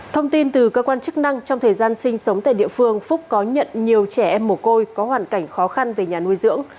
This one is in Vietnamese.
thông tin từ cơ quan chức năng trong thời gian sinh sống tại địa phương phúc có nhận nhiều trẻ em mồ côi có hoàn cảnh khó khăn về nhà nuôi dưỡng